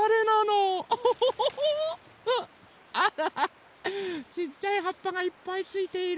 あらちっちゃいはっぱがいっぱいついている。